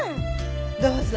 どうぞ。